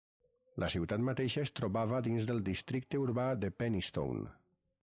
La ciutat mateixa es trobava dins del "Districte Urbà de Penistone".